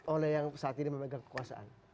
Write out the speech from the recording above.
oleh yang saat ini memegang kekuasaan